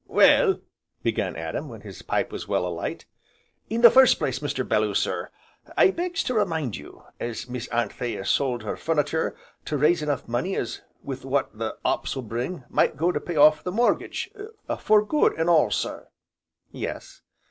'" "Well," began Adam, when his pipe was well alight, "in the first place, Mr. Belloo sir, I begs to remind you, as Miss Anthea sold her furnitur' to raise enough money as with what the 'ops will bring, might go to pay off the mortgage, for good an' all, sir." "Yes."